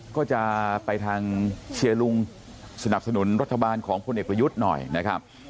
ก็จะไปทางเชียร์ลุงสนับสนุนรัฐบาลของพลเอกประยุทธ์หน่อยนะครับ